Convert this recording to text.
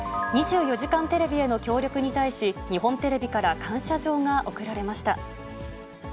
２４時間テレビへの協力に対し、日本テレビから感謝状が贈られました。